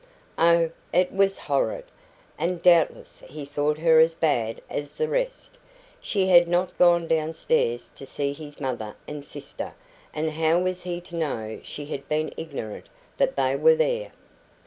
Oh, it was horrid! And doubtless he thought her as bad as the rest. She had not gone downstairs to see his mother and sister, and how was he to know she had been ignorant that they were there?